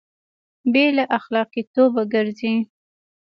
بې له اخلاقي توب ګرځوي